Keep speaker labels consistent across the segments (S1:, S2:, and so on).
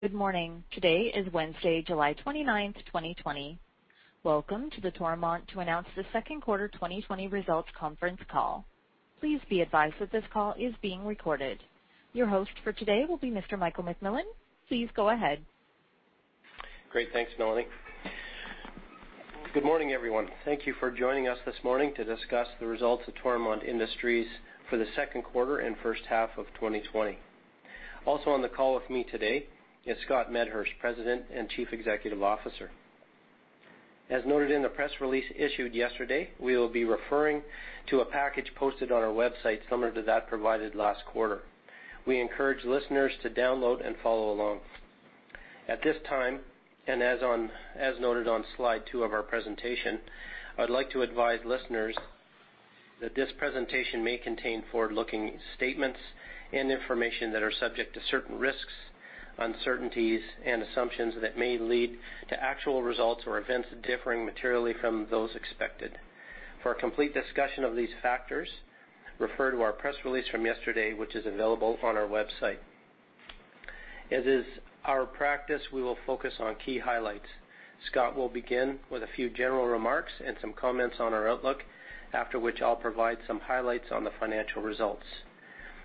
S1: Good morning. Today is Wednesday, July 29, 2020. Welcome to the Toromont to announce the second quarter 2020 results conference call. Please be advised that this call is being recorded. Your host for today will be Mr. Michael McMillan. Please go ahead.
S2: Great. Thanks, Melanie. Good morning, everyone. Thank you for joining us this morning to discuss the results of Toromont Industries for the second quarter and first half of 2020. Also on the call with me today is Scott Medhurst, President and Chief Executive Officer. As noted in the press release issued yesterday, we will be referring to a package posted on our website similar to that provided last quarter. We encourage listeners to download and follow along. At this time, and as noted on slide two of our presentation, I'd like to advise listeners that this presentation may contain forward-looking statements and information that are subject to certain risks, uncertainties, and assumptions that may lead to actual results or events differing materially from those expected. For a complete discussion of these factors, refer to our press release from yesterday, which is available on our website. As is our practice, we will focus on key highlights. Scott will begin with a few general remarks and some comments on our outlook, after which I'll provide some highlights on the financial results.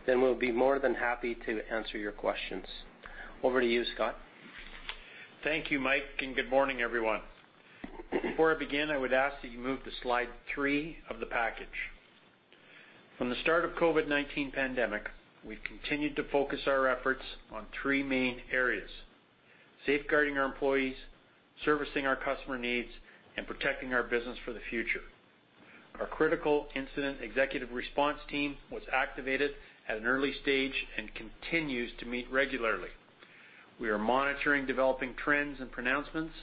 S2: We'll be more than happy to answer your questions. Over to you, Scott.
S3: Thank you, Mike, and good morning, everyone. Before I begin, I would ask that you move to slide three of the package. From the start of COVID-19 pandemic, we've continued to focus our efforts on three main areas: safeguarding our employees, servicing our customer needs, and protecting our business for the future. Our critical incident executive response team was activated at an early stage and continues to meet regularly. We are monitoring developing trends and pronouncements,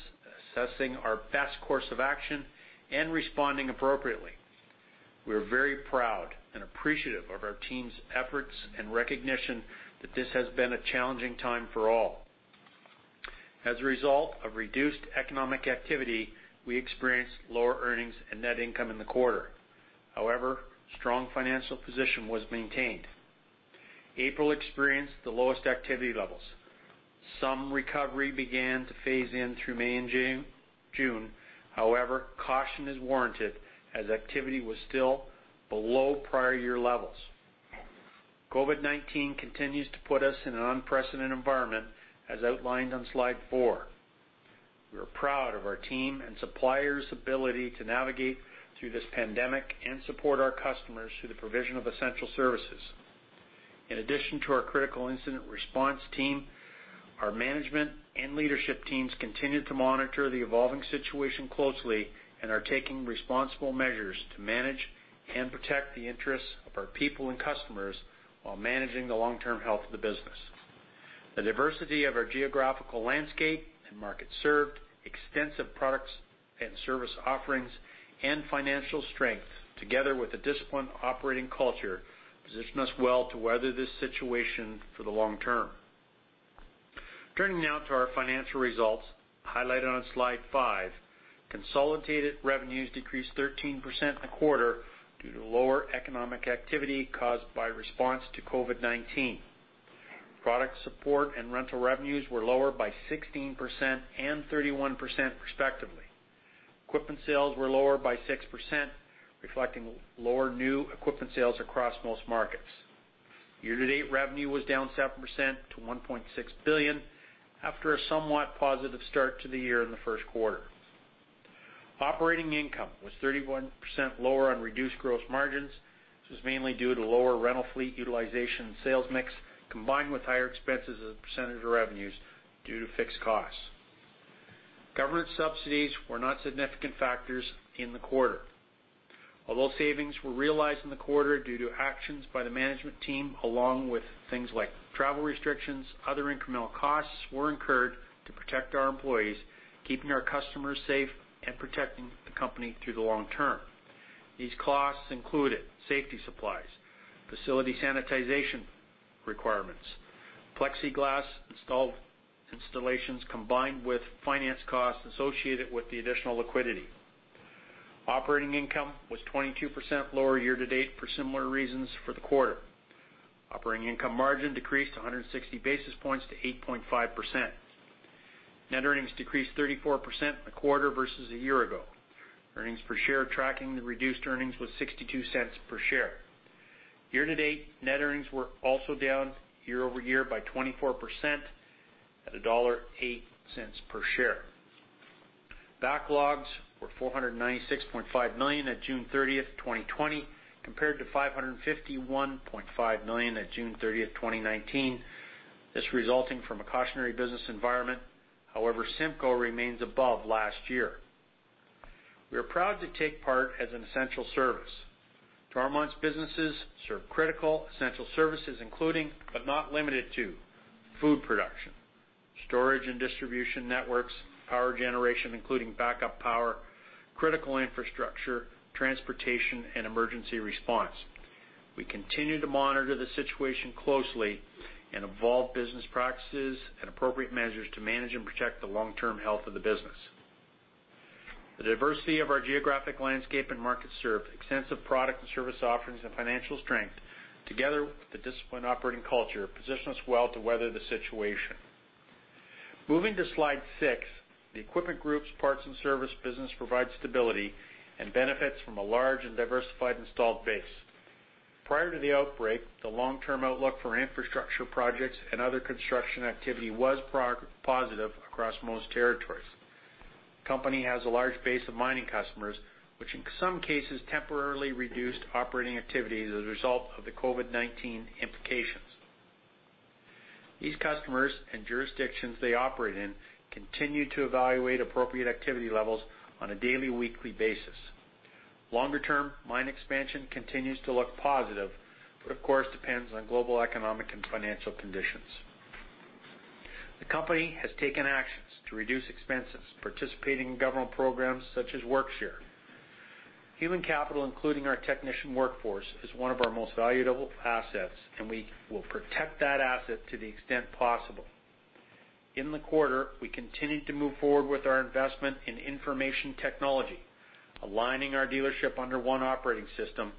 S3: assessing our best course of action, and responding appropriately. We are very proud and appreciative of our team's efforts and recognition that this has been a challenging time for all. As a result of reduced economic activity, we experienced lower earnings and net income in the quarter. However, strong financial position was maintained. April experienced the lowest activity levels. Some recovery began to phase in through May and June. Caution is warranted as activity was still below prior year levels. COVID-19 continues to put us in an unprecedented environment, as outlined on slide four. We are proud of our team and suppliers' ability to navigate through this pandemic and support our customers through the provision of essential services. In addition to our critical incident response team, our management and leadership teams continue to monitor the evolving situation closely and are taking responsible measures to manage and protect the interests of our people and customers while managing the long-term health of the business. The diversity of our geographical landscape and market served, extensive products and service offerings, and financial strength, together with a disciplined operating culture, position us well to weather this situation for the long term. Turning now to our financial results, highlighted on slide five. Consolidated revenues decreased 13% in the quarter due to lower economic activity caused by response to COVID-19. Product support and rental revenues were lower by 16% and 31% respectively. Equipment sales were lower by 6%, reflecting lower new equipment sales across most markets. Year-to-date revenue was down 7% to 1.6 billion, after a somewhat positive start to the year in the first quarter. Operating income was 31% lower on reduced gross margins. This was mainly due to lower rental fleet utilization and sales mix, combined with higher expenses as a % of revenues due to fixed costs. Government subsidies were not significant factors in the quarter. Although savings were realized in the quarter due to actions by the management team, along with things like travel restrictions, other incremental costs were incurred to protect our employees, keeping our customers safe, and protecting the company through the long term. These costs included safety supplies, facility sanitization requirements, plexiglass installations, combined with finance costs associated with the additional liquidity. Operating income was 22% lower year-to-date for similar reasons for the quarter. Operating income margin decreased 160 basis points to 8.5%. Net earnings decreased 34% in the quarter versus a year ago. Earnings per share tracking the reduced earnings was 0.62 per share. Year-to-date, net earnings were also down year-over-year by 24% at a dollar 1.08 per share. Backlogs were 496.5 million at June 30th, 2020, compared to 551.5 million at June 30th, 2019. This resulting from a cautionary business environment. However, CIMCO remains above last year. We are proud to take part as an essential service. Toromont's businesses serve critical essential services including, but not limited to food production, storage and distribution networks, power generation including backup power, critical infrastructure, transportation, and emergency response. We continue to monitor the situation closely and evolve business practices and appropriate measures to manage and protect the long-term health of the business. The diversity of our geographic landscape and market served, extensive product and service offerings, and financial strength, together with the disciplined operating culture, position us well to weather the situation. Moving to slide six, the Equipment Group's parts and service business provides stability and benefits from a large and diversified installed base. Prior to the outbreak, the long-term outlook for infrastructure projects and other construction activity was positive across most territories. The company has a large base of mining customers, which in some cases temporarily reduced operating activity as a result of the COVID-19 implications. These customers and jurisdictions they operate in continue to evaluate appropriate activity levels on a daily, weekly basis. Longer-term, mine expansion continues to look positive, but of course, depends on global economic and financial conditions. The company has taken actions to reduce expenses, participating in government programs such as Work-Sharing. Human capital, including our technician workforce, is one of our most valuable assets, and we will protect that asset to the extent possible. In the quarter, we continued to move forward with our investment in information technology, aligning our dealership under one operating system,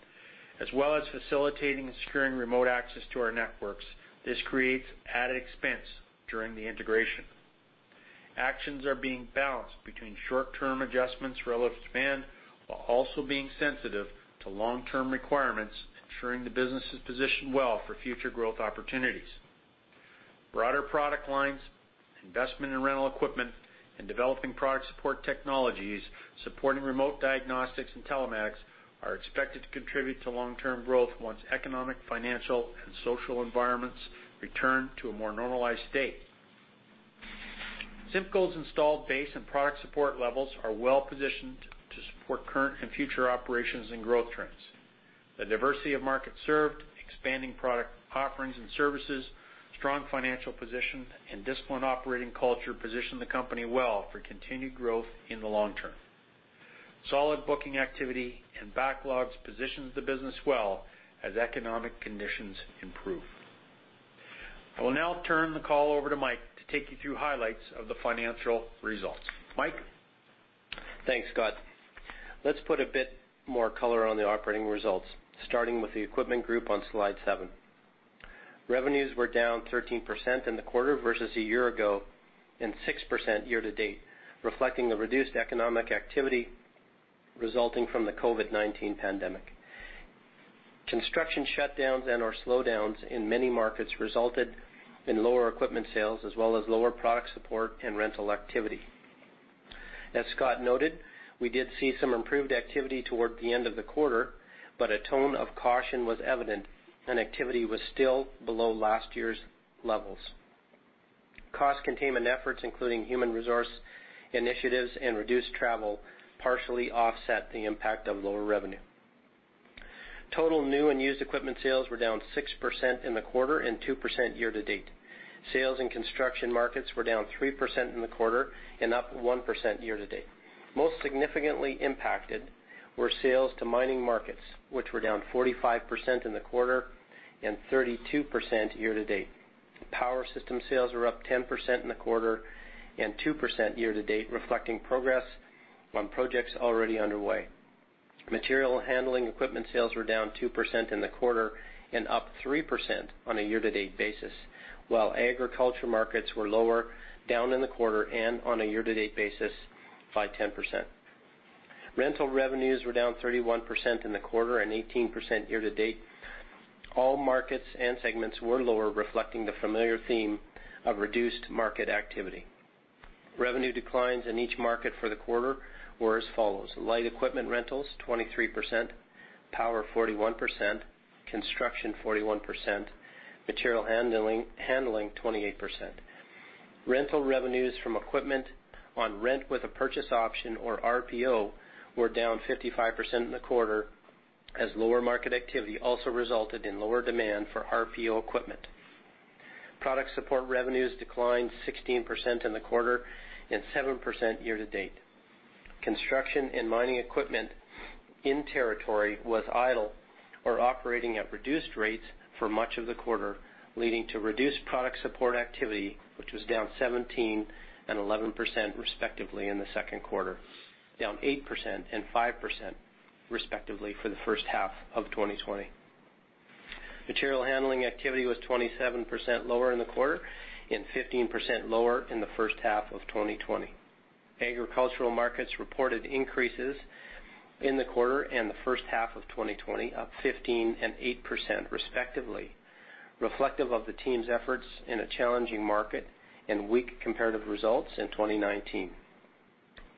S3: as well as facilitating and securing remote access to our networks. This creates added expense during the integration. Actions are being balanced between short-term adjustments relevant to demand, while also being sensitive to long-term requirements, ensuring the business is positioned well for future growth opportunities. Broader product lines, investment in rental equipment, and developing product support technologies supporting remote diagnostics and telematics are expected to contribute to long-term growth once economic, financial, and social environments return to a more normalized state. CIMCO's installed base and product support levels are well-positioned to support current and future operations and growth trends. The diversity of markets served, expanding product offerings and services, strong financial position, and disciplined operating culture position the company well for continued growth in the long term. Solid booking activity and backlogs positions the business well as economic conditions improve. I will now turn the call over to Mike to take you through highlights of the financial results. Mike?
S2: Thanks, Scott. Let's put a bit more color on the operating results, starting with the Equipment Group on slide seven. Revenues were down 13% in the quarter versus a year ago, and 6% year-to-date, reflecting the reduced economic activity resulting from the COVID-19 pandemic. Construction shutdowns and/or slowdowns in many markets resulted in lower equipment sales, as well as lower product support and rental activity. As Scott noted, we did see some improved activity toward the end of the quarter, but a tone of caution was evident, and activity was still below last year's levels. Cost containment efforts, including human resource initiatives and reduced travel, partially offset the impact of lower revenue. Total new and used equipment sales were down 6% in the quarter and 2% year-to-date. Sales in construction markets were down 3% in the quarter and up 1% year-to-date. Most significantly impacted were sales to mining markets, which were down 45% in the quarter and 32% year-to-date. Power system sales were up 10% in the quarter and 2% year-to-date, reflecting progress on projects already underway. Material handling equipment sales were down 2% in the quarter and up 3% on a year-to-date basis, while agriculture markets were lower, down in the quarter and on a year-to-date basis by 10%. Rental revenues were down 31% in the quarter and 18% year-to-date. All markets and segments were lower, reflecting the familiar theme of reduced market activity. Revenue declines in each market for the quarter were as follows: light equipment rentals 23%, power 41%, construction 41%, material handling 28%. Rental revenues from equipment on rent with a purchase option, or RPO, were down 55% in the quarter as lower market activity also resulted in lower demand for RPO equipment. Product support revenues declined 16% in the quarter and 7% year-to-date. Construction and mining equipment in territory was idle or operating at reduced rates for much of the quarter, leading to reduced product support activity, which was down 17% and 11%, respectively, in the second quarter, down 8% and 5%, respectively, for the first half of 2020. Material handling activity was 27% lower in the quarter and 15% lower in the first half of 2020. Agricultural markets reported increases in the quarter and the first half of 2020, up 15% and 8%, respectively, reflective of the team's efforts in a challenging market and weak comparative results in 2019.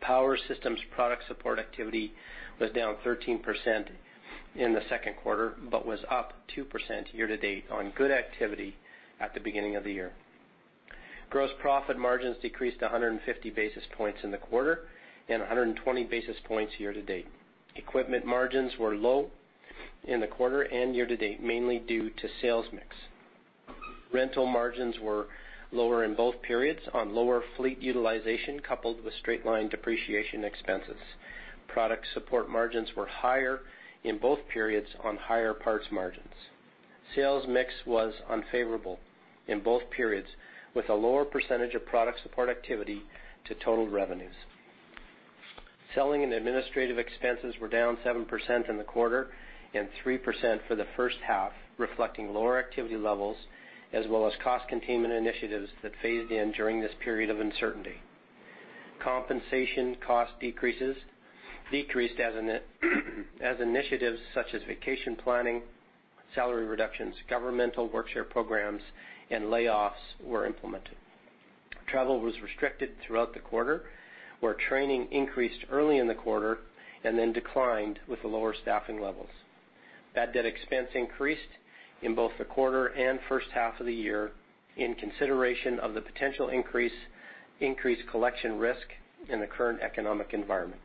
S2: Power systems product support activity was down 13% in the second quarter but was up 2% year-to-date on good activity at the beginning of the year. Gross profit margins decreased 150 basis points in the quarter and 120 basis points year-to-date. Equipment Group margins were low in the quarter and year-to-date, mainly due to sales mix. Rental margins were lower in both periods on lower fleet utilization coupled with straight-line depreciation expenses. Product support margins were higher in both periods on higher parts margins. Sales mix was unfavorable in both periods, with a lower percentage of product support activity to total revenues. Selling and administrative expenses were down 7% in the quarter and 3% for the first half, reflecting lower activity levels as well as cost containment initiatives that phased in during this period of uncertainty. Compensation cost decreased as initiatives such as vacation planning, salary reductions, governmental Work-Sharing programs, and layoffs were implemented. Travel was restricted throughout the quarter, where training increased early in the quarter and then declined with the lower staffing levels. Bad debt expense increased in both the quarter and first half of the year in consideration of the potential increased collection risk in the current economic environment.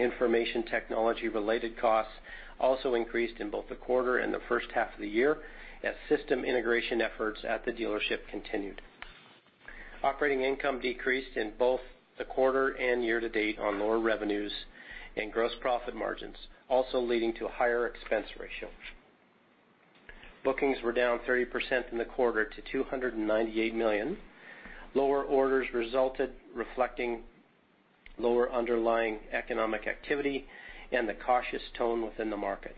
S2: Information technology-related costs also increased in both the quarter and the first half of the year as system integration efforts at the dealership continued. Operating income decreased in both the quarter and year-to-date on lower revenues and gross profit margins, also leading to a higher expense ratio. Bookings were down 30% in the quarter to 298 million. Lower orders resulted reflecting lower underlying economic activity and the cautious tone within the market.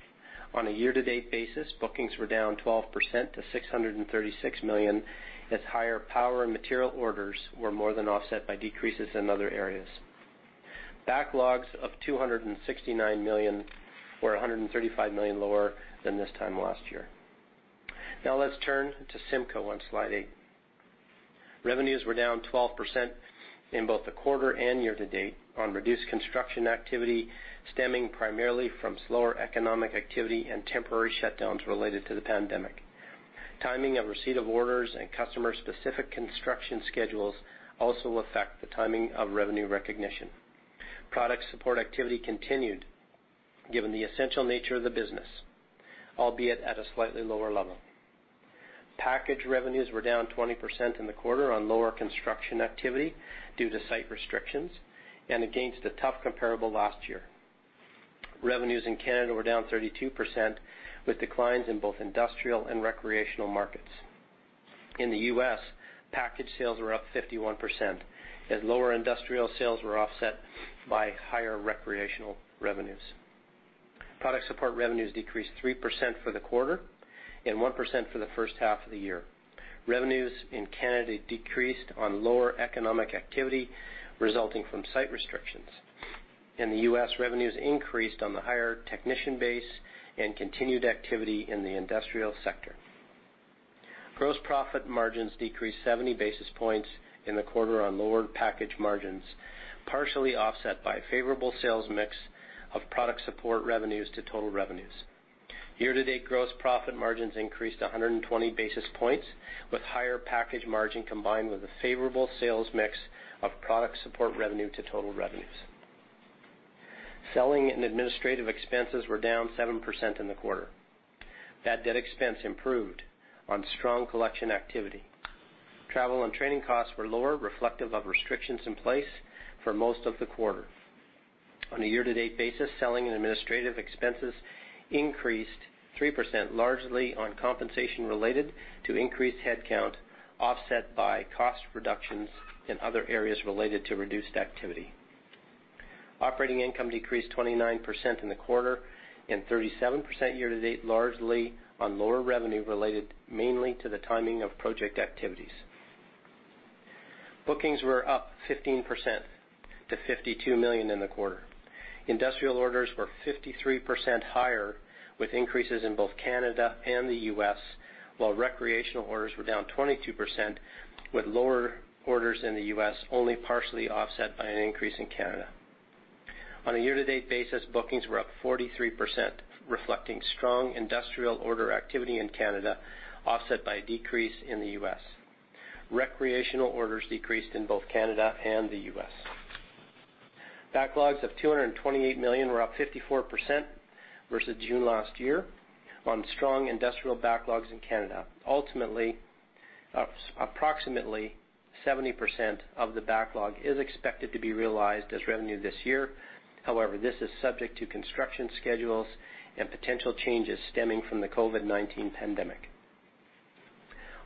S2: On a year-to-date basis, bookings were down 12% to 636 million, as higher power and material orders were more than offset by decreases in other areas. Backlogs of 269 million were 135 million lower than this time last year. Now let's turn to CIMCO on slide eight. Revenues were down 12% in both the quarter and year-to-date on reduced construction activity stemming primarily from slower economic activity and temporary shutdowns related to the pandemic. Timing of receipt of orders and customer-specific construction schedules also affect the timing of revenue recognition. Product support activity continued given the essential nature of the business, albeit at a slightly lower level. Package revenues were down 20% in the quarter on lower construction activity due to site restrictions and against a tough comparable last year. Revenues in Canada were down 32%, with declines in both industrial and recreational markets. In the U.S., package sales were up 51%, as lower industrial sales were offset by higher recreational revenues. Product support revenues decreased 3% for the quarter and 1% for the first half of the year. Revenues in Canada decreased on lower economic activity resulting from site restrictions. In the U.S., revenues increased on the higher technician base and continued activity in the industrial sector. Gross profit margins decreased 70 basis points in the quarter on lower package margins, partially offset by a favorable sales mix of product support revenues to total revenues. Year-to-date gross profit margins increased 120 basis points, with higher package margin combined with a favorable sales mix of product support revenue to total revenues. Selling and administrative expenses were down 7% in the quarter. Bad debt expense improved on strong collection activity. Travel and training costs were lower, reflective of restrictions in place for most of the quarter. On a year-to-date basis, selling and administrative expenses increased 3%, largely on compensation related to increased headcount, offset by cost reductions in other areas related to reduced activity. Operating income decreased 29% in the quarter and 37% year-to-date, largely on lower revenue related mainly to the timing of project activities. Bookings were up 15% to 52 million in the quarter. Industrial orders were 53% higher, with increases in both Canada and the U.S., while recreational orders were down 22%, with lower orders in the U.S. only partially offset by an increase in Canada. On a year-to-date basis, bookings were up 43%, reflecting strong industrial order activity in Canada, offset by a decrease in the U.S. Recreational orders decreased in both Canada and the U.S. Backlogs of 228 million were up 54% versus June last year on strong industrial backlogs in Canada. Ultimately, approximately 70% of the backlog is expected to be realized as revenue this year. This is subject to construction schedules and potential changes stemming from the COVID-19 pandemic.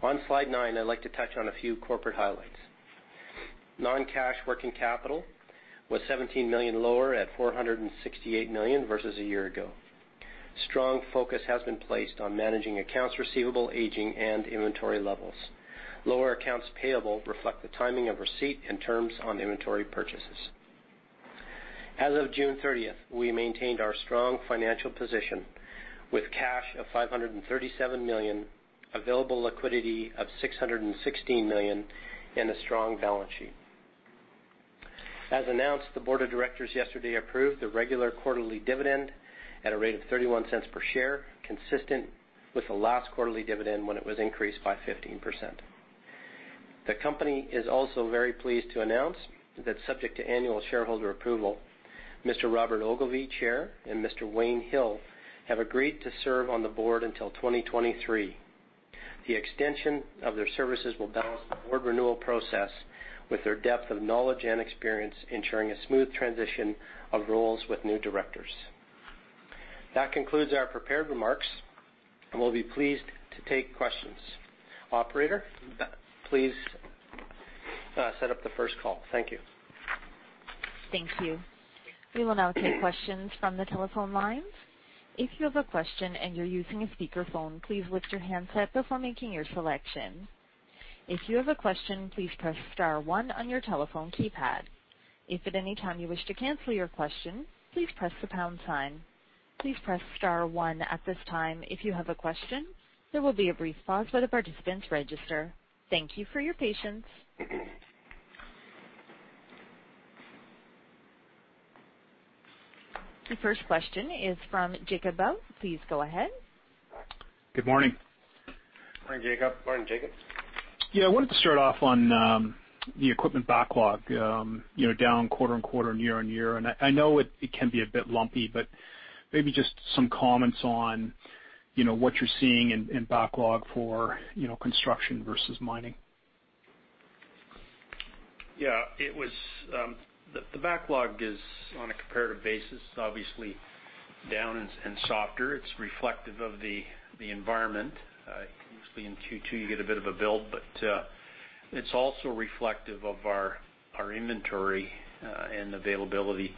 S2: On slide nine, I'd like to touch on a few corporate highlights. Non-cash working capital was 17 million lower at 468 million versus a year ago. Strong focus has been placed on managing accounts receivable aging and inventory levels. Lower accounts payable reflect the timing of receipt and terms on inventory purchases. As of June 30th, we maintained our strong financial position with cash of 537 million, available liquidity of 616 million, and a strong balance sheet. As announced, the Board of Directors yesterday approved the regular quarterly dividend at a rate of 0.31 per share, consistent with the last quarterly dividend when it was increased by 15%. The company is also very pleased to announce that subject to annual shareholder approval, Mr. Robert Ogilvie, Chair, and Mr. Wayne Hill have agreed to serve on the Board until 2023. The extension of their services will balance the Board renewal process with their depth of knowledge and experience, ensuring a smooth transition of roles with new Directors. That concludes our prepared remarks, and we'll be pleased to take questions. Operator, please set up the first call. Thank you.
S1: Thank you. We will now take questions from the telephone lines. If you have a question and you're using a speakerphone, please lift your handset before making your selection. If you have a question, please press star one on your telephone keypad. If at any time you wish to cancel your question, please press the pound sign. Please press star one at this time if you have a question. There will be a brief pause while the participants register. Thank you for your patience. The first question is from Jacob Bell. Please go ahead.
S4: Good morning.
S3: Morning, Jacob.
S2: Morning, Jacob.
S4: I wanted to start off on the equipment backlog down quarter-on-quarter and year-on-year. I know it can be a bit lumpy, but maybe just some comments on what you're seeing in backlog for construction versus mining.
S3: Yeah. The backlog is, on a comparative basis, obviously down and softer. It's reflective of the environment. Usually in Q2, you get a bit of a build, but it's also reflective of our inventory and availability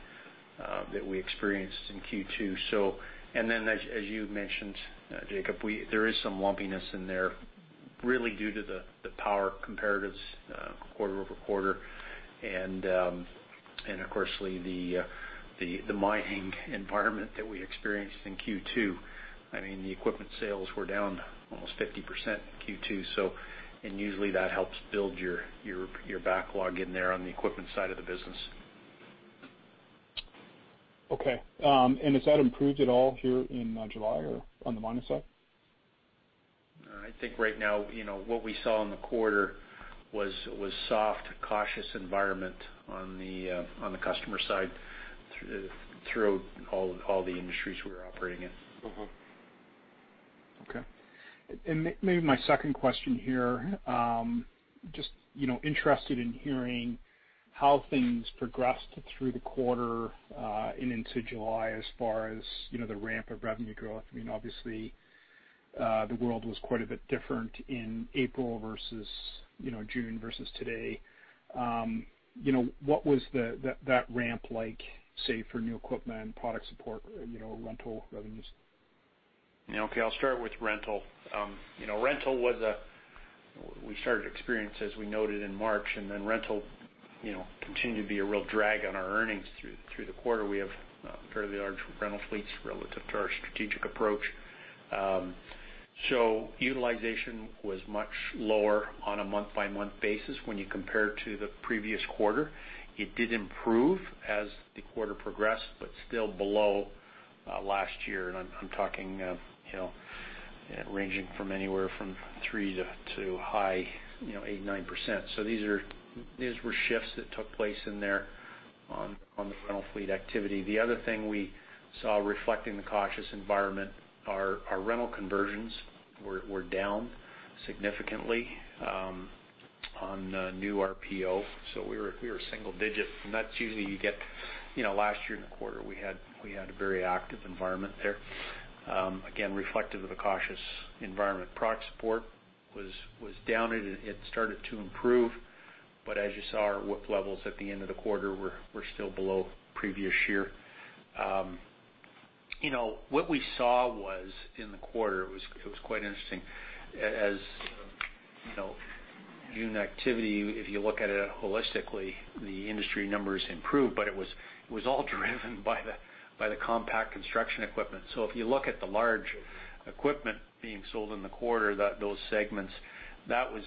S3: that we experienced in Q2. As you mentioned, Jacob, there is some lumpiness in there really due to the power comparatives quarter-over-quarter and of course, the mining environment that we experienced in Q2. The equipment sales were down almost 50% in Q2, and usually that helps build your backlog in there on the equipment side of the business.
S4: Okay. Has that improved at all here in July or on the mining side?
S3: I think right now, what we saw in the quarter was soft, cautious environment on the customer side throughout all the industries we are operating in.
S4: Okay. Maybe my second question here, just interested in hearing how things progressed through the quarter and into July as far as the ramp of revenue growth. Obviously, the world was quite a bit different in April versus June versus today. What was that ramp like, say for new equipment, product support, rental revenues?
S3: I'll start with rental. Rental, we started to experience, as we noted in March. Rental continued to be a real drag on our earnings through the quarter. We have fairly large rental fleets relative to our strategic approach. Utilization was much lower on a month-by-month basis when you compare to the previous quarter. It did improve as the quarter progressed, but still below last year, and I'm talking ranging from anywhere from 3% to high 8%-9%. These were shifts that took place in there on the rental fleet activity. The other thing we saw reflecting the cautious environment, our rental conversions were down significantly on new RPO. We were single digit, and that's usually. Last year in the quarter, we had a very active environment there. Again, reflective of a cautious environment. Product support was down. It started to improve. As you saw, our WIP levels at the end of the quarter were still below previous year. What we saw was in the quarter, it was quite interesting as unit activity, if you look at it holistically, the industry numbers improved, but it was all driven by the compact construction equipment. If you look at the large equipment being sold in the quarter, those segments, that was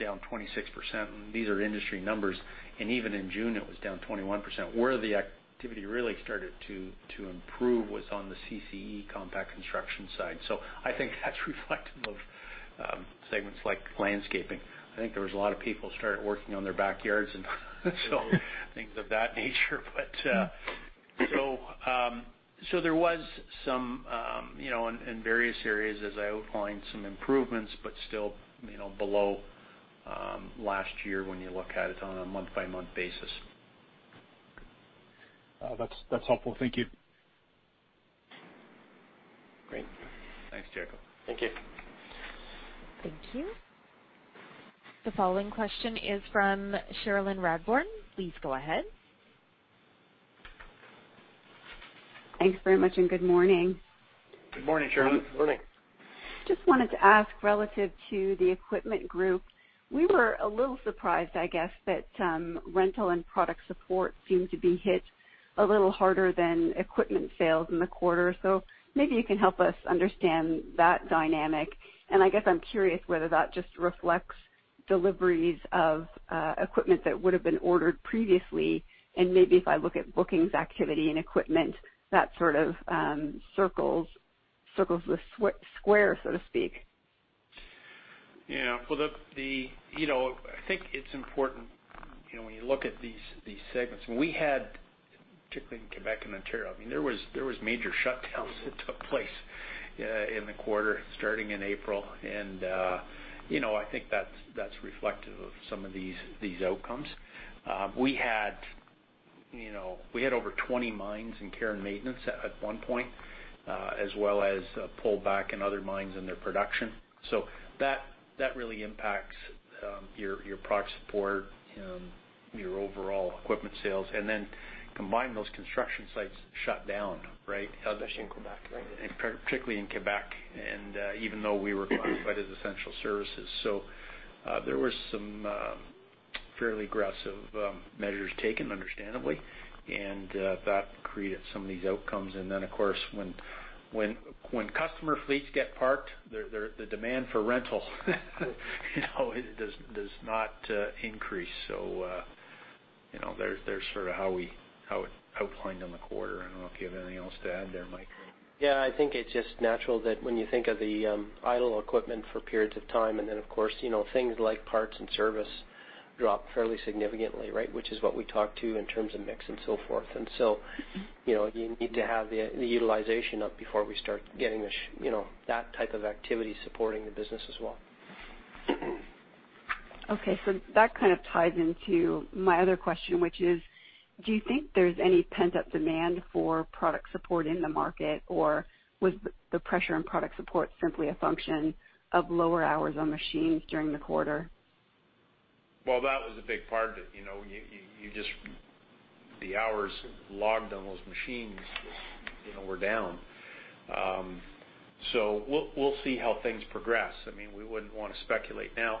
S3: down 26%, and these are industry numbers. Even in June, it was down 21%. Where the activity really started to improve was on the CCE, compact construction side. I think that's reflective of segments like landscaping. I think there was a lot of people started working on their backyards and so things of that nature. There was some, in various areas, as I outlined, some improvements, but still below last year when you look at it on a month-by-month basis.
S4: That's helpful. Thank you.
S3: Great. Thanks, Jacob.
S2: Thank you.
S1: Thank you. The following question is from Cherilyn Radbourne. Please go ahead.
S5: Thanks very much, and good morning.
S3: Good morning, Cherilyn.
S2: Morning.
S5: Just wanted to ask relative to the Equipment Group, we were a little surprised, I guess, that rental and product support seemed to be hit a little harder than equipment sales in the quarter. Maybe you can help us understand that dynamic. I guess I'm curious whether that just reflects deliveries of equipment that would've been ordered previously, and maybe if I look at bookings activity and equipment, that sort of circles the square, so to speak.
S3: Yeah. I think it's important when you look at these segments. When we had particularly in Quebec and Ontario. There was major shutdowns that took place in the quarter starting in April, and I think that's reflective of some of these outcomes. We had over 20 mines in care and maintenance at one point, as well as a pullback in other mines in their production. That really impacts your product support, your overall equipment sales, and then combine those construction sites shut down, right.
S2: Especially in Quebec, right?
S3: Particularly in Quebec, even though we were classified as essential services. There were some fairly aggressive measures taken, understandably, and that created some of these outcomes. Of course, when customer fleets get parked, the demand for rental does not increase. That's sort of how it outlined in the quarter. I don't know if you have anything else to add there, Mike.
S2: Yeah, I think it's just natural that when you think of the idle equipment for periods of time, and then, of course, things like parts and service drop fairly significantly, right? Which is what we talked to in terms of mix and so forth. You need to have the utilization up before we start getting that type of activity supporting the business as well.
S5: Okay, that kind of ties into my other question, which is, do you think there is any pent-up demand for product support in the market, or was the pressure on product support simply a function of lower hours on machines during the quarter?
S3: Well, that was a big part of it. The hours logged on those machines were down. We'll see how things progress. We wouldn't want to speculate now.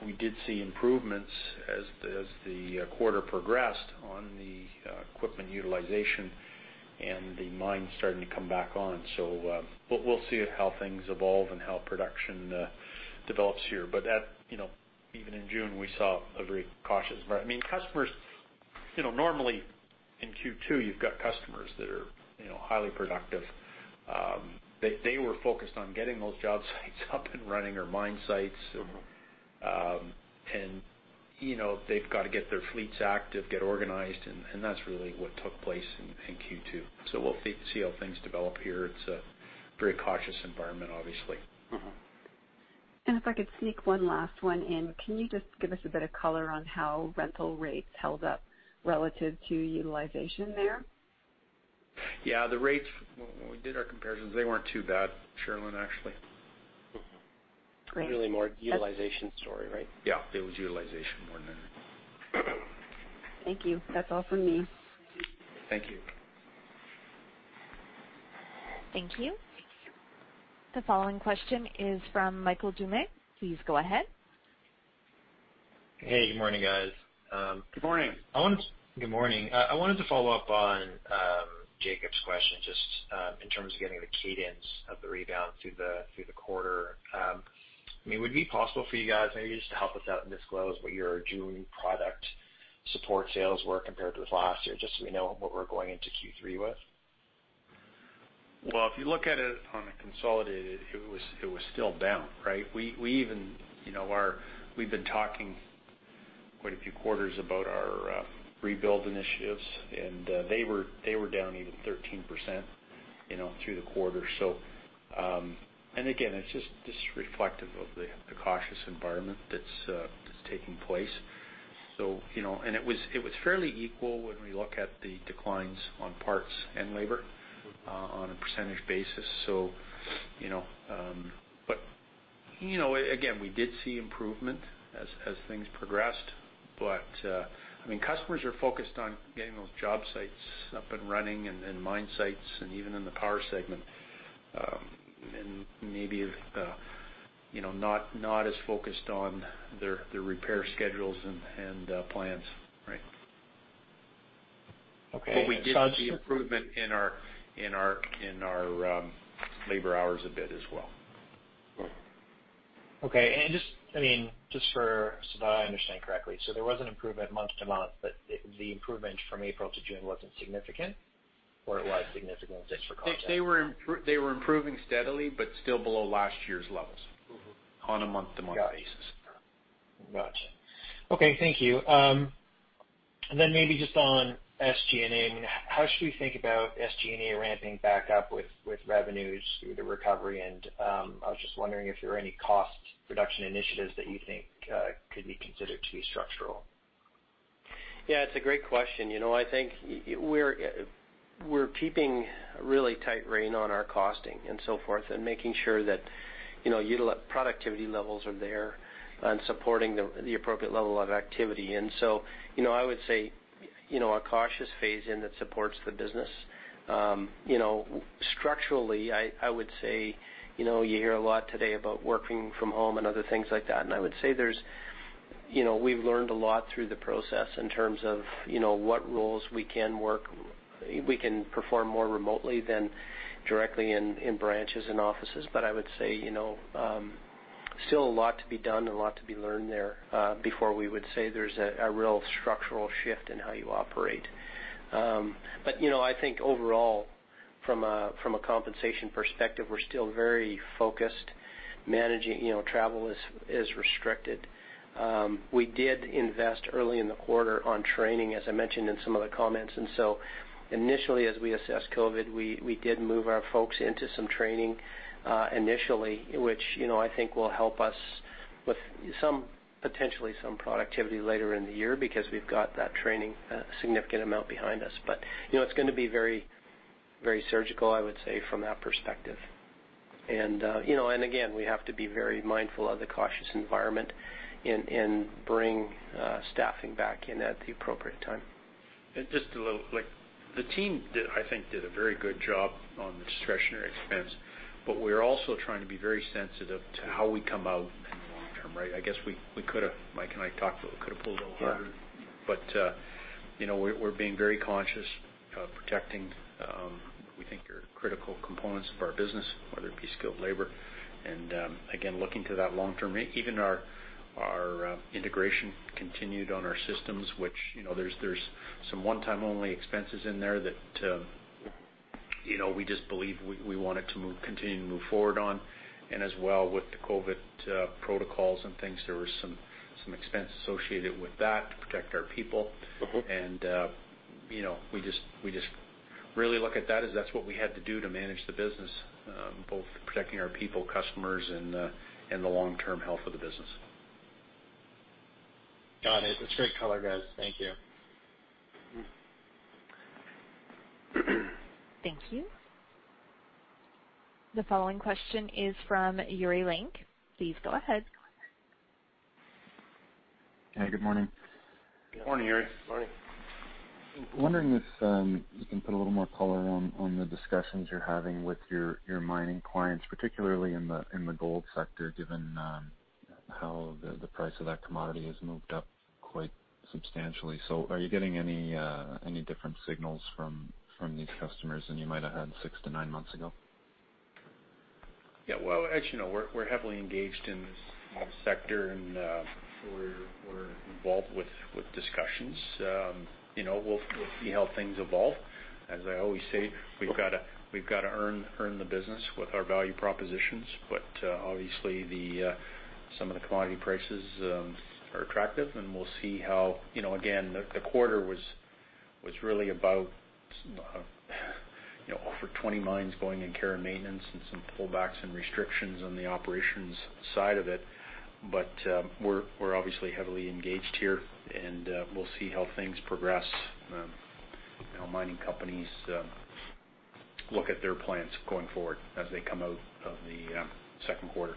S3: We did see improvements as the quarter progressed on the equipment utilization and the mines starting to come back on. We'll see how things evolve and how production develops here. Even in June, we saw a very cautious environment. Normally in Q2, you've got customers that are highly productive. They were focused on getting those job sites up and running or mine sites, and they've got to get their fleets active, get organized, and that's really what took place in Q2. We'll see how things develop here. It's a very cautious environment, obviously.
S5: If I could sneak one last one in, can you just give us a bit of color on how rental rates held up relative to utilization there?
S3: Yeah, the rates, when we did our comparisons, they weren't too bad, Cherilyn, actually.
S5: Great.
S2: Really more a utilization story, right?
S3: Yeah. It was utilization more than anything.
S5: Thank you. That's all from me.
S3: Thank you.
S1: Thank you. The following question is from Michael Doumet. Please go ahead.
S6: Hey, good morning, guys.
S3: Good morning.
S6: Good morning. I wanted to follow up on Jacob's question, just in terms of getting the cadence of the rebound through the quarter. Would it be possible for you guys maybe just to help us out and disclose what your June product support sales were compared with last year, just so we know what we're going into Q3 with?
S3: Well, if you look at it on a consolidated, it was still down, right? We've been talking quite a few quarters about our rebuild initiatives, and they were down even 13% through the quarter. Again, it's just reflective of the cautious environment that's taking place. It was fairly equal when we look at the declines on parts and labor on a percentage basis. Again, we did see improvement as things progressed. Customers are focused on getting those job sites up and running and mine sites and even in the power segment, and maybe not as focused on their repair schedules and plans, right?
S6: Okay.
S3: We did see improvement in our labor hours a bit as well.
S2: Right.
S6: Okay. Just so that I understand correctly, so there was an improvement month-to-month, but the improvement from April to June wasn't significant? It was significant, just for context?
S3: They were improving steadily but still below last year's levels on a month-to-month basis.
S6: Got you. Okay, thank you. Maybe just on SG&A, how should we think about SG&A ramping back up with revenues through the recovery? I was just wondering if there are any cost reduction initiatives that you think could be considered to be structural.
S2: Yeah, it's a great question. I think we're keeping a really tight rein on our costing and so forth and making sure that productivity levels are there and supporting the appropriate level of activity. I would say, a cautious phase in that supports the business. Structurally, I would say, you hear a lot today about working from home and other things like that, and I would say we've learned a lot through the process in terms of what roles we can perform more remotely than directly in branches and offices. I would say, still a lot to be done and a lot to be learned there before we would say there's a real structural shift in how you operate. I think overall. From a compensation perspective, we're still very focused. Travel is restricted. We did invest early in the quarter on training, as I mentioned in some of the comments. Initially, as we assessed COVID, we did move our folks into some training, initially, which I think will help us with potentially some productivity later in the year because we've got that training a significant amount behind us. It's going to be very surgical, I would say, from that perspective. Again, we have to be very mindful of the cautious environment and bring staffing back in at the appropriate time.
S3: Just a little, the team, I think, did a very good job on the discretionary expense, but we're also trying to be very sensitive to how we come out in the long term, right? I guess Mike and I talked a little, could have pulled a little harder. We're being very conscious of protecting what we think are critical components of our business, whether it be skilled labor and, again, looking to that long term. Even our integration continued on our systems, which there's some one-time only expenses in there that we just believe we wanted to continue to move forward on. As well, with the COVID protocols and things, there was some expense associated with that to protect our people. We just really look at that as that's what we had to do to manage the business, both protecting our people, customers, and the long-term health of the business.
S6: Got it. That's great color, guys. Thank you.
S1: Thank you. The following question is from Yuri Lynk. Please go ahead.
S7: Hey, good morning.
S2: Good morning, Yuri.
S3: Morning.
S7: Wondering if you can put a little more color on the discussions you're having with your mining clients, particularly in the gold sector, given how the price of that commodity has moved up quite substantially. Are you getting any different signals from these customers than you might have had six to nine months ago?
S3: Yeah. Well, as you know, we're heavily engaged in this gold sector, and we're involved with discussions. We'll see how things evolve. As I always say, we've got to earn the business with our value propositions. Obviously, some of the commodity prices are attractive, and we'll see how Again, the quarter was really about over 20 mines going in care and maintenance and some pullbacks and restrictions on the operations side of it. We're obviously heavily engaged here, and we'll see how things progress, how mining companies look at their plans going forward as they come out of the second quarter.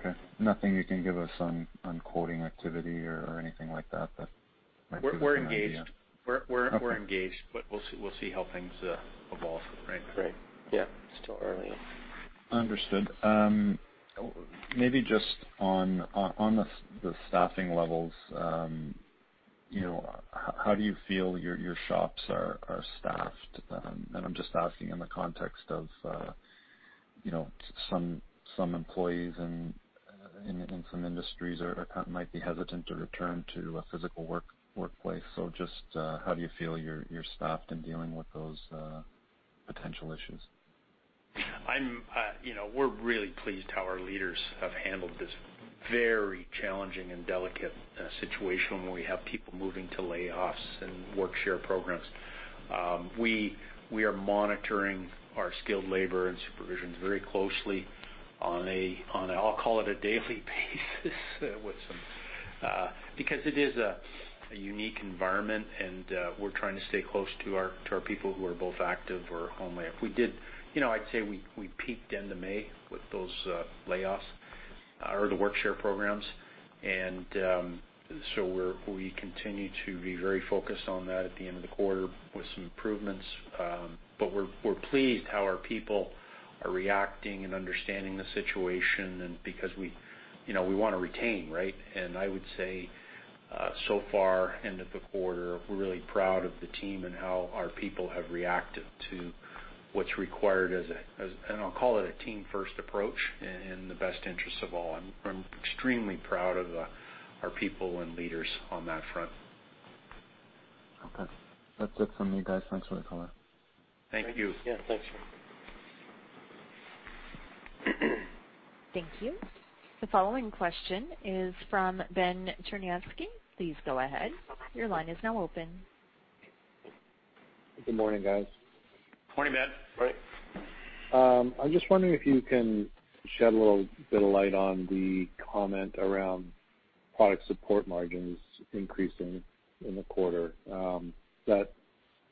S7: Okay. Nothing you can give us on quoting activity or anything like that might give us an idea?
S3: We're engaged.
S7: Okay.
S3: We're engaged, but we'll see how things evolve. Right?
S2: Right. Yeah. Still early.
S7: Understood. Maybe just on the staffing levels, how do you feel your shops are staffed? I'm just asking in the context of some employees in some industries might be hesitant to return to a physical workplace. Just how do you feel you're staffed in dealing with those potential issues?
S3: We're really pleased how our leaders have handled this very challenging and delicate situation when we have people moving to layoffs and Work-Sharing programs. We are monitoring our skilled labor and supervisions very closely on a, I'll call it a daily basis. Because it is a unique environment, and we're trying to stay close to our people who are both active or home layoff. I'd say we peaked end of May with those layoffs or the Work-Sharing programs. We continue to be very focused on that at the end of the quarter with some improvements. We're pleased how our people are reacting and understanding the situation and because we want to retain, right? I would say, so far end of the quarter, we're really proud of the team and how our people have reacted to what's required as, and I'll call it a team first approach in the best interest of all. I'm extremely proud of our people and leaders on that front.
S7: Okay. That's it from me, guys. Thanks for the color.
S3: Thank you.
S2: Yeah. Thanks.
S1: Thank you. The following question is from Ben Cherniavsky. Please go ahead. Your line is now open.
S8: Good morning, guys.
S3: Morning, Ben.
S2: Morning.
S8: I'm just wondering if you can shed a little bit of light on the comment around product support margins increasing in the quarter. Is that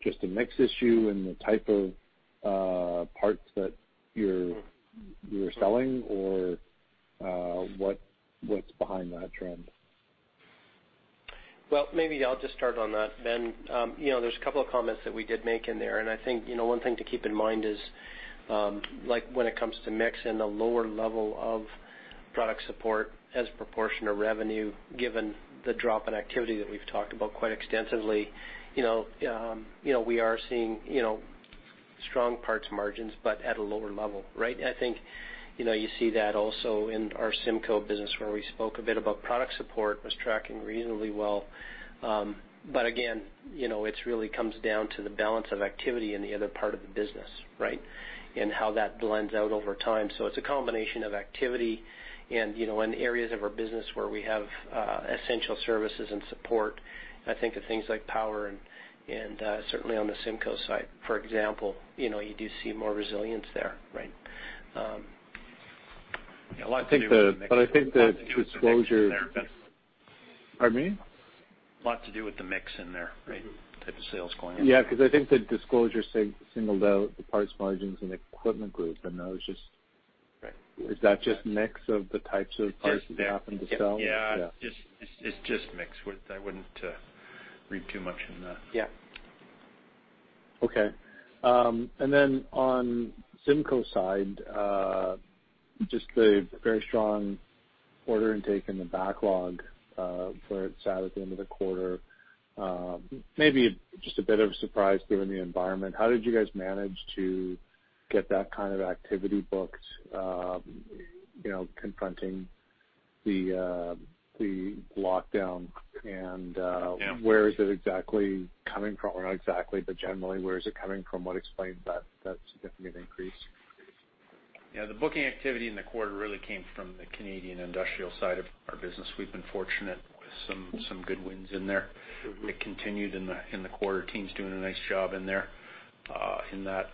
S8: just a mix issue in the type of parts that you're selling, or what's behind that trend?
S2: Well, maybe I'll just start on that, Ben. There's a couple of comments that we did make in there, and I think one thing to keep in mind is, like when it comes to mix and the lower level of product support as a proportion of revenue, given the drop in activity that we've talked about quite extensively, we are seeing Strong parts margins, but at a lower level. I think you see that also in our CIMCO business, where we spoke a bit about product support was tracking reasonably well. Again, it really comes down to the balance of activity in the other part of the business. How that blends out over time. It's a combination of activity and in areas of our business where we have essential services and support, I think of things like power and certainly on the CIMCO side, for example, you do see more resilience there.
S3: I think the disclosure. Pardon me?
S8: A lot to do with the mix in there. Type of sales going in.
S3: Yeah, because I think the disclosure singled out the parts margins and Equipment Group.
S8: Right. Is that just mix of the types of parts that you happen to sell?
S3: Yeah. It's just mix. I wouldn't read too much in that.
S2: Yeah.
S8: Okay. On CIMCO's side, just the very strong order intake and the backlog, where it sat at the end of the quarter. Maybe just a bit of a surprise given the environment. How did you guys manage to get that kind of activity booked, confronting the lockdown?
S3: Yeah
S8: Where is it exactly coming from, or not exactly, but generally, where is it coming from? What explains that significant increase?
S3: Yeah. The booking activity in the quarter really came from the Canadian industrial side of our business. We've been fortunate with some good wins in there. It continued in the quarter. Team's doing a nice job in there, in that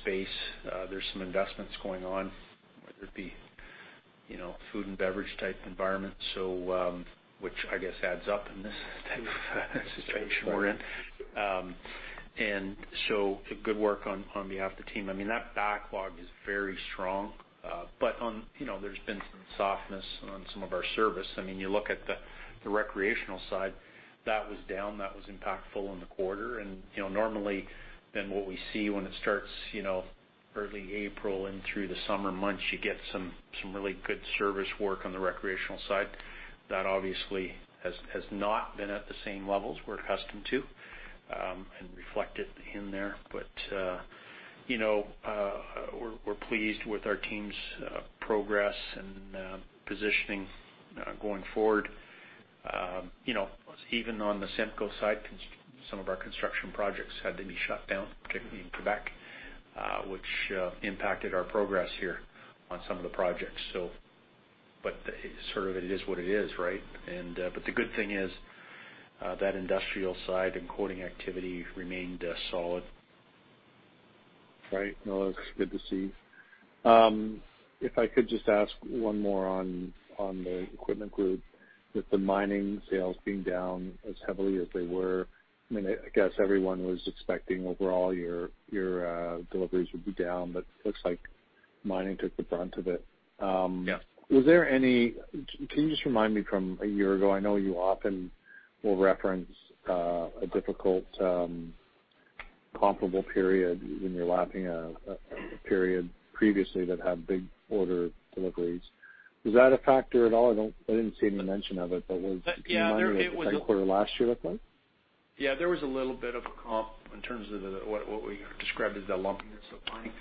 S3: space. There's some investments going on, whether it be food and beverage type environment. Which I guess adds up in this type of situation we're in. Good work on behalf of the team. That backlog is very strong. There's been some softness on some of our service. You look at the recreational side, that was down. That was impactful in the quarter. Normally, what we see when it starts early April and through the summer months, you get some really good service work on the recreational side. That obviously has not been at the same levels we're accustomed to, and reflected in there. We're pleased with our team's progress and positioning going forward. Even on the CIMCO side, some of our construction projects had to be shut down, particularly in Quebec, which impacted our progress here on some of the projects. It is what it is. The good thing is, that industrial side and quoting activity remained solid.
S8: Right. No, that's good to see. If I could just ask one more on the Equipment Group, with the mining sales being down as heavily as they were. I guess everyone was expecting overall, your deliveries would be down, but looks like mining took the brunt of it.
S3: Yeah.
S8: Can you just remind me from a year ago, I know you often will reference a difficult comparable period when you're lapping a period previously that had big order deliveries. Was that a factor at all? I didn't see any mention of it, but can you remind me what the same quarter last year looked like?
S3: Yeah, there was a little bit of a comp in terms of what we described as the lumpiness of mining.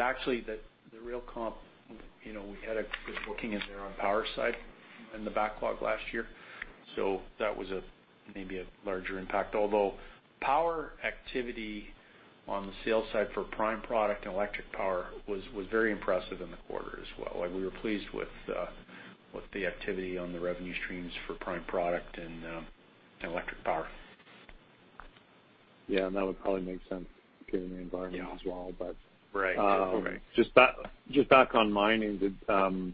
S3: Actually, the real comp, we had a good booking in there on power side in the backlog last year. That was maybe a larger impact. Power activity on the sales side for prime product and electric power was very impressive in the quarter as well. We were pleased with the activity on the revenue streams for prime product and electric power.
S8: Yeah, that would probably make sense given the environment as well.
S3: Right.
S8: Just back on mining. It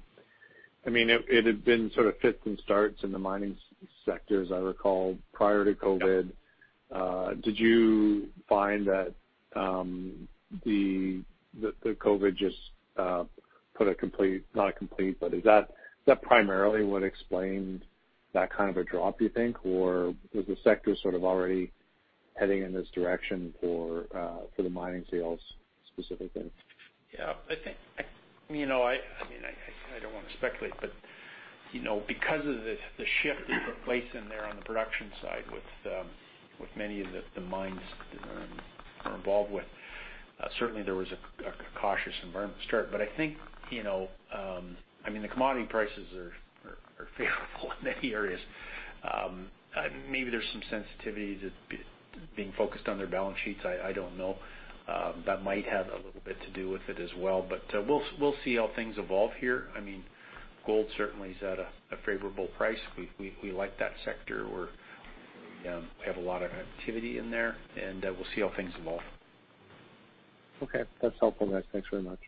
S8: had been sort of fits and starts in the mining sector, as I recall, prior to COVID.
S3: Yeah.
S8: Did you find that the COVID just put a complete, not a complete, but is that primarily what explained that kind of a drop, you think? Was the sector sort of already heading in this direction for the mining sales specifically?
S3: Yeah. I don't want to speculate, but because of the shift that took place in there on the production side with many of the mines that we're involved with, certainly there was a cautious environment to start. I think the commodity prices are favorable in many areas. Maybe there's some sensitivity to being focused on their balance sheets. I don't know. That might have a little bit to do with it as well, but we'll see how things evolve here. Gold certainly is at a favorable price. We like that sector. We have a lot of activity in there, and we'll see how things evolve.
S8: Okay, that's helpful, [Nick]. Thanks very much.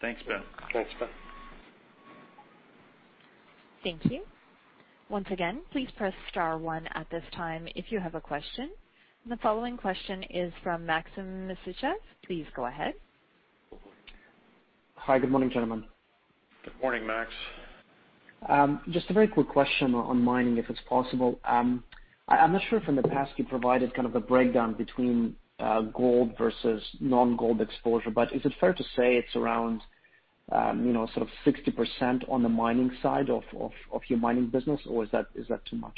S3: Thanks, Ben.
S2: Thanks, Ben.
S1: Thank you. Once again, please press star one at this time if you have a question. The following question is from Maxim Sytchev. Please go ahead.
S9: Hi. Good morning, gentlemen.
S3: Good morning, Max.
S9: Just a very quick question on mining, if it's possible. I'm not sure if in the past you provided kind of a breakdown between gold versus non-gold exposure, but is it fair to say it's around, sort of 60% on the mining side of your mining business, or is that too much?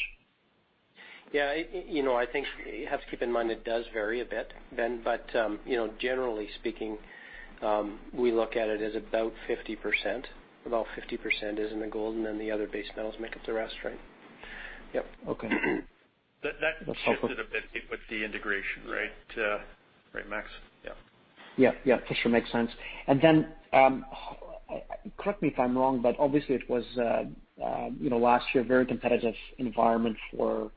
S2: Yeah, I think you have to keep in mind it does vary a bit, Ben. Generally speaking, we look at it as about 50%. About 50% is in the gold and then the other base metals make up the rest, right?
S9: Yep. Okay.
S3: That shifted a bit with the integration, right? Right, Max? Yeah.
S9: Yeah. For sure. Makes sense. Correct me if I'm wrong, but obviously it was, last year, a very competitive environment for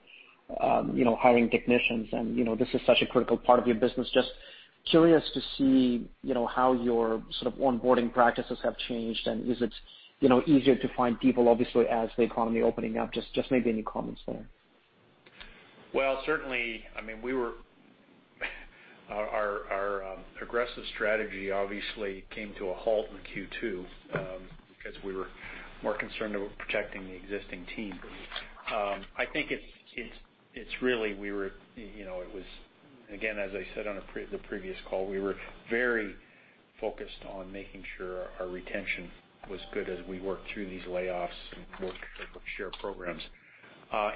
S9: hiring technicians, and this is such a critical part of your business. Just curious to see how your sort of onboarding practices have changed, and is it easier to find people, obviously, as the economy opening up? Just maybe any comments there.
S3: Well, certainly, our aggressive strategy obviously came to a halt in Q2, because we were more concerned about protecting the existing team. I think it's really, again, as I said on the previous call, we were very focused on making sure our retention was good as we worked through these layoffs and Work-Sharing programs.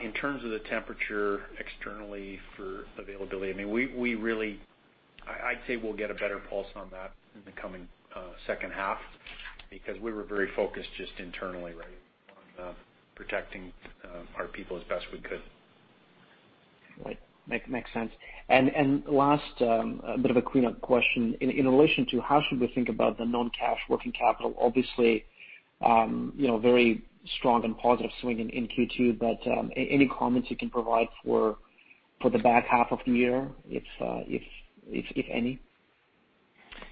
S3: In terms of the temperature externally for availability, I'd say we'll get a better pulse on that in the coming second half, because we were very focused just internally, right, on protecting our people as best we could.
S9: Right. Makes sense. Last, a bit of a cleanup question. In relation to how should we think about the non-cash working capital, obviously, very strong and positive swing in Q2, but any comments you can provide for the back half of the year, if any?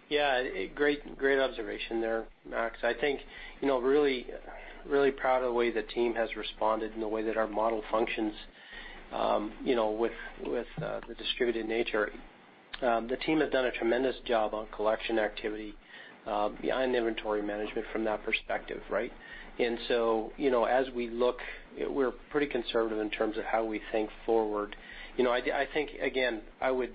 S2: Yeah. Great observation there, Max. I think, really proud of the way the team has responded and the way that our model functions with the distributed nature. The team has done a tremendous job on collection activity behind inventory management from that perspective, right. As we look, we're pretty conservative in terms of how we think forward. I think, again, I would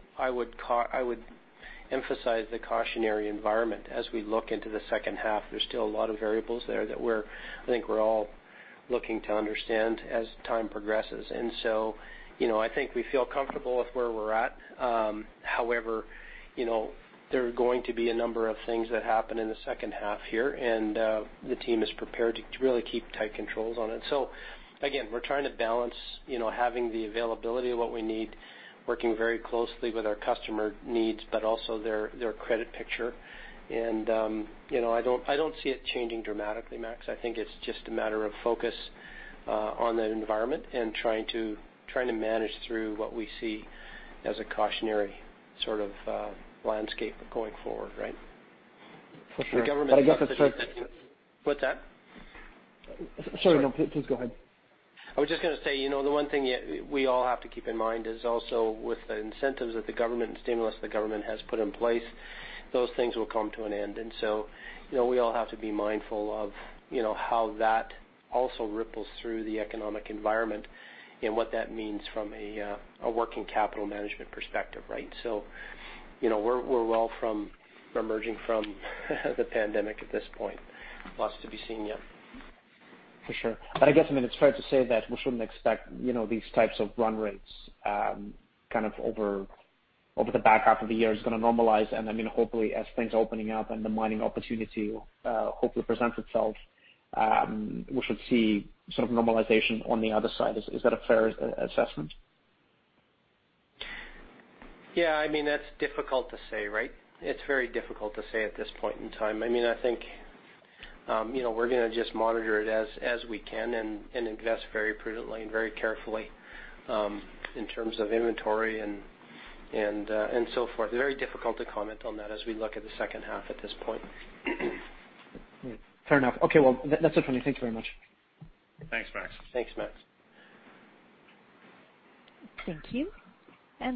S2: emphasize the cautionary environment as we look into the second half. There's still a lot of variables there that I think we're all looking to understand as time progresses. I think we feel comfortable with where we're at. However, there are going to be a number of things that happen in the second half here, and the team is prepared to really keep tight controls on it. Again, we're trying to balance having the availability of what we need, working very closely with our customer needs, but also their credit picture. I don't see it changing dramatically, Max. I think it's just a matter of focus on the environment and trying to manage through what we see as a cautionary sort of landscape going forward, right?
S9: For sure.
S2: The government subsidies.
S9: But I guess it's fair-
S2: What's that?
S9: Sorry, no, please go ahead.
S2: I was just going to say, the one thing we all have to keep in mind is also with the incentives that the government and stimulus the government has put in place, those things will come to an end. We all have to be mindful of how that also ripples through the economic environment and what that means from a working capital management perspective, right? We're well from emerging from the pandemic at this point. Lots to be seen yet.
S9: For sure. I guess it's fair to say that we shouldn't expect these types of run rates kind of over the back half of the year. It's going to normalize and hopefully as things are opening up and the mining opportunity hopefully presents itself, we should see sort of normalization on the other side. Is that a fair assessment?
S2: That's difficult to say, right? It's very difficult to say at this point in time. I think we're going to just monitor it as we can and invest very prudently and very carefully, in terms of inventory and so forth. Very difficult to comment on that as we look at the second half at this point.
S9: Fair enough. Okay, well, that's it from me. Thank you very much.
S3: Thanks, Max.
S2: Thanks, Max.
S1: Thank you.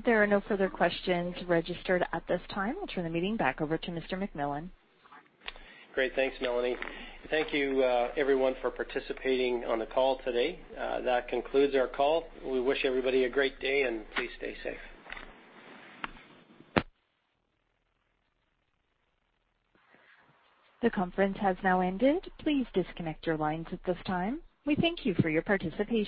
S1: There are no further questions registered at this time. I'll turn the meeting back over to Mr. McMillan.
S2: Great. Thanks, Melanie. Thank you, everyone, for participating on the call today. That concludes our call. We wish everybody a great day, and please stay safe.
S1: The conference has now ended. Please disconnect your lines at this time. We thank you for your participation.